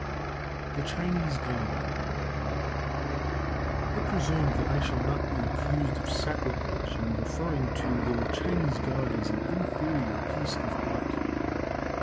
The Chinese God. I presume that I shall not be accused of sacrilege in referring to the Chinese god as an inferior piece of art.